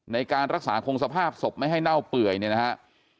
ในการรักษาคงสภาพศพไม่ให้เน่าเปื่อยเนี่ยนะฮะ